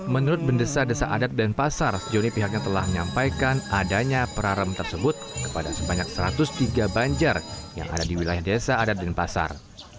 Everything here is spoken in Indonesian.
menurut bendesa desa adat dan pasar sejauh ini pihaknya telah menyampaikan adanya perarem tersebut kepada sebanyak satu ratus tiga banjar yang ada di wilayah desa adat denpasar